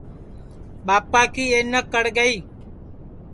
ٻاپا کی اَینک کڑ گئی